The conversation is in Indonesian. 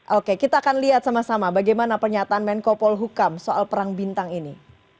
oke kita akan lihat sama sama bagaimana pernyataan menko polhukam soal perang bintang ini